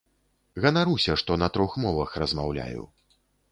Ганаруся, што на трох мовах размаўляю.